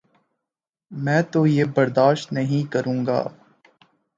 میں توہین برداشت نہیں کروں گا۔